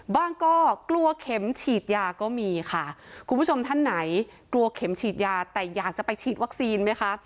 ก็กลัวเข็มฉีดยาก็มีค่ะคุณผู้ชมท่านไหนกลัวเข็มฉีดยาแต่อยากจะไปฉีดวัคซีนไหมคะ